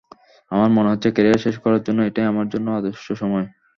আমার মনে হচ্ছে, ক্যারিয়ার শেষ করার জন্য এটাই আমার জন্য আদর্শ সময়।